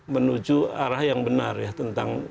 menuju arah yang benar ya tentang